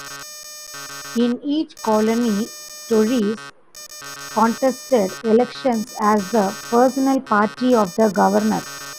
In each colony, Tories contested elections as the personal party of the governor.